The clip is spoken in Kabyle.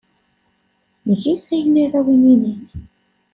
Get ayen ara awen-inin.